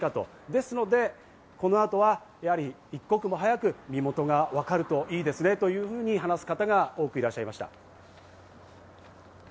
ですので、この後はやはり一刻も早く身元がわかるといいですねというふうに話す方が多くいらっしゃいました。